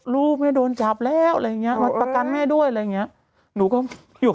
ลูกไม่โดนจับแล้วอะไรอย่างเงี้ยวัตตร์ประกันให้ด้วยอะไรอย่างเงี้ย